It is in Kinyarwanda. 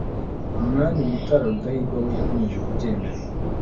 umwami mutara rudahigwa we yakomeje kubyemeza